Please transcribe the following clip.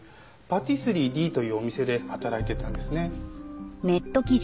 「パティスリーＤ」というお店で働いてたんですね。